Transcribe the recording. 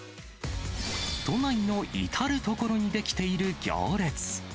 都内の至る所に出来ている行列。